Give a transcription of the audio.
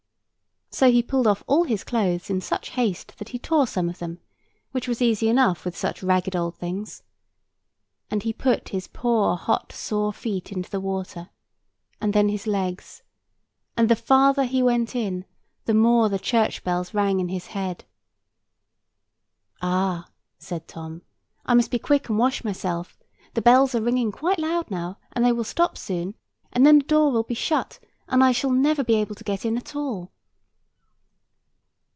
So he pulled off all his clothes in such haste that he tore some of them, which was easy enough with such ragged old things. And he put his poor hot sore feet into the water; and then his legs; and the farther he went in, the more the church bells rang in his head. "Ah," said Tom, "I must be quick and wash myself; the bells are ringing quite loud now; and they will stop soon, and then the door will be shut, and I shall never be able to get in at all."